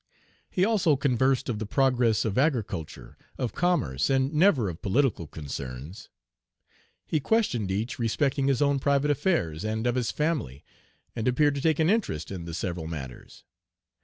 He also conversed of the progress of agriculture, of commerce, and never of political concerns. He questioned each respecting his own private affairs, and of his family, and appeared to take an interest in the several matters.